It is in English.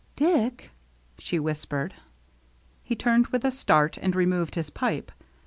" Dick," she whispered. He turned with a start and removed his pipe.